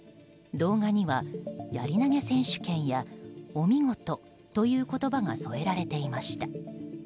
動画には、やり投げ選手権やおみごとという言葉が添えられていました。